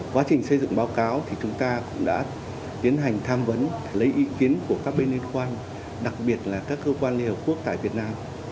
quá trình xây dựng báo cáo thì chúng ta cũng đã tiến hành tham vấn lấy ý kiến của các bên liên quan đặc biệt là các cơ quan liên hợp quốc tại việt nam